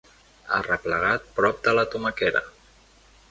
Arreplegat prop de la tomaquera.